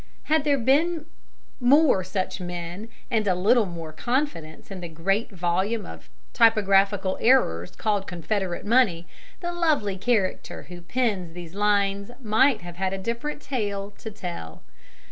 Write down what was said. Had there been more such men, and a little more confidence in the great volume of typographical errors called Confederate money, the lovely character who pens these lines might have had a different tale to tell.